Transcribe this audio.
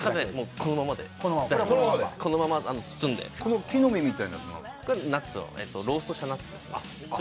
このままで大丈夫ですこのまま包んでこの木の実みたいなこれはナッツをローストしたナッツですね